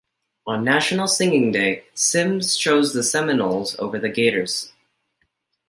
On National Signing Day, Sims chose the Seminoles over the Gators.